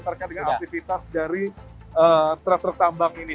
terkait dengan aktivitas dari truk truk tambang ini